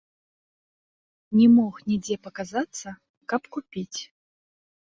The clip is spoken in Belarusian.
Не мог нідзе паказацца, каб купіць.